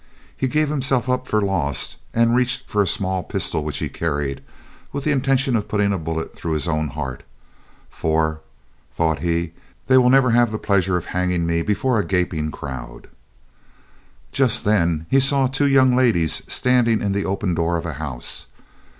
He gave himself up for lost, and reached for a small pistol which he carried, with the intention of putting a bullet through his own heart; "for," thought he, "they shall never have the pleasure of hanging me before a gaping crowd." Just then he saw two young ladies standing in the open door of a house.